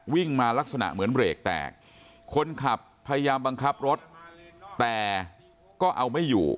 วิ่งมาลักษณะเหมือนเบรกแตกคนขับพยายามบังคับรถแต่ก็เอาไม่อยู่